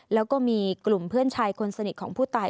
แล้วก็มีกลุ่มเพื่อนชายคนสนิทของผู้ตาย